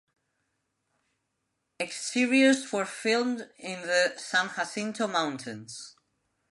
Exteriors were filmed in the San Jacinto Mountains.